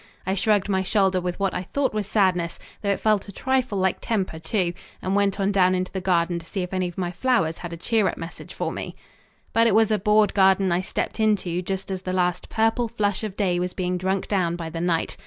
I shrugged my shoulder with what I thought was sadness, though it felt a trifle like temper, too, and went on down into the garden to see if any of my flowers had a cheer up message for me. But it was a bored garden I stepped into just as the last purple flush of day was being drunk down by the night.